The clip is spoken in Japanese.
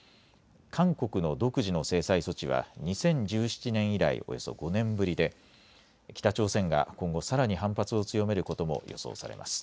韓国の独自の制裁措置は２０１７年以来およそ５年ぶりで、北朝鮮が今後、さらに反発を強めることも予想されます。